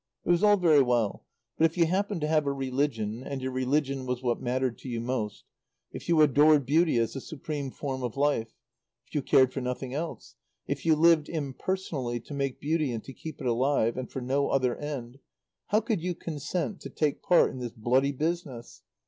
It was all very well, but if you happened to have a religion, and your religion was what mattered to you most; if you adored Beauty as the supreme form of Life; if you cared for nothing else; if you lived, impersonally, to make Beauty and to keep it alive; and for no other end, how could you consent to take part in this bloody business?